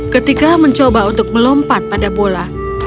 ketika mencoba untuk melompat pada bola